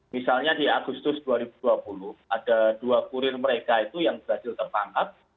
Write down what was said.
misalnya di agustus dua ribu dua puluh ada dua kurir mereka itu yang berhasil tertangkap